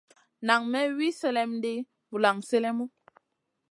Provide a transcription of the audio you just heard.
Nan may wi sèlèm ɗi vulan sélèmu.